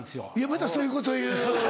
またそういうこと言う。